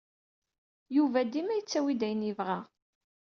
Yuba dima yettawi-d ayen yebɣa.